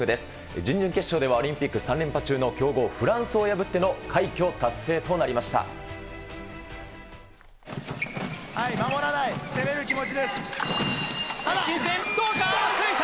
準々決勝では、オリンピック３連覇中の強豪、フランスを破っての快挙達成となりました。